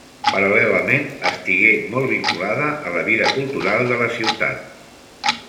Paral·lelament, estigué molt vinculada a la vida cultural de la ciutat.